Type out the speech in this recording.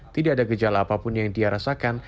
tidak ada gejala apapun yang dirasakan